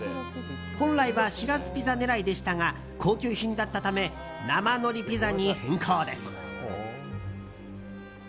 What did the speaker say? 本来はシラスピザ狙いでしたが高級品だったため生のりピザに変更です。